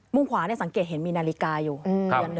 มุ่งขวานี่สังเกตเห็นมีนาฬิกาอยู่